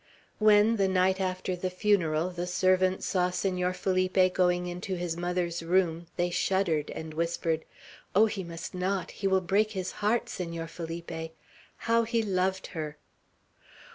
When, the night after the funeral, the servants saw Senor Felipe going into his mother's room, they shuddered, and whispered, "Oh, he must not! He will break his heart, Senor Felipe! How he loved her!"